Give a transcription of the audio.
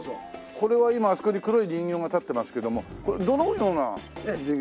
これは今あそこに黒い人形が立ってますけどもこれはどのような授業？